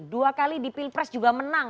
dua kali dipilpres juga menang